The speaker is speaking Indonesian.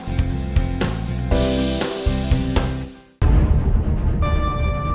aku mau kemana